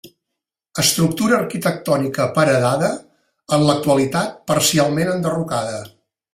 Estructura arquitectònica paredada, en l'actualitat parcialment enderrocada.